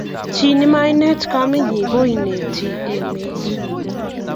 Chi ne mainet kamenyin ko ineti emet